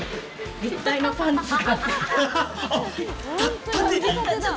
立体のパンツが。